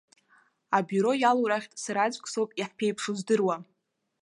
Абиуро иалоу рахьтә сара аӡәк соуп иаҳԥеиԥшу здыруа.